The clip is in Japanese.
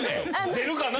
出るかな？